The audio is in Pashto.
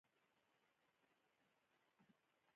يو تورې لنگوټې والا ځوان موټر ته راوخوت.